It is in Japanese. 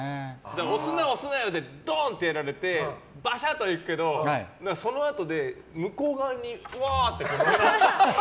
押すなよ、押すなよでどーんってやられてバシャッとは行くけどそのあとで向こう側にうわーって。